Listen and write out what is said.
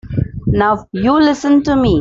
Now you listen to me.